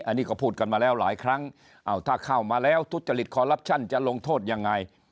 อันนี้ก็พูดกันมาแล้วหลายครั้งถ้าเข้ามาแล้วทุจริตคอลลับชั่นจะลงโทษยังไง